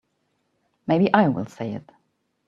Maybe I will say it.